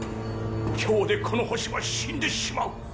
今日でこの星は死んでしまう！